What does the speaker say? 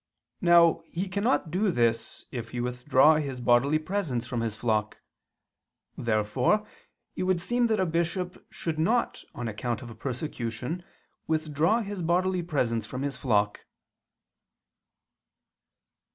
Now he cannot do this if he withdraw his bodily presence from his flock. Therefore it would seem that a bishop should not on account of persecution withdraw his bodily presence from his flock.